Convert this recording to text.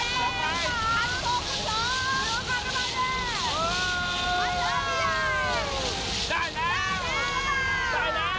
ได้แล้วได้แล้ว